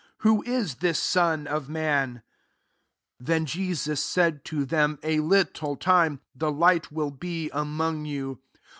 Who is this Son of man ?" f 35 Then Jesus said to them, " A little time, the light will be among you.